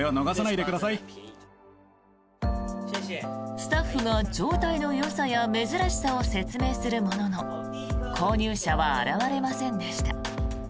スタッフが状態のよさや珍しさを説明するものの購入者は現れませんでした。